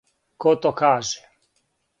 Ко то каже?